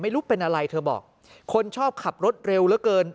ไม่รู้เป็นอะไรเธอบอกคนชอบขับรถเร็วเหลือเกิน